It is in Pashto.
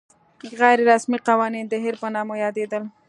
غیر رسمي قوانین د هیر په نامه یادېدل.